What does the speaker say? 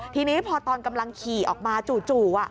ทีนี้พอตอนกำลังขี่ออกมาจู่